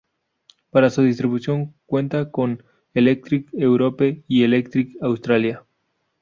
Para su distribución, cuenta con Electric Europe y Electric Australia.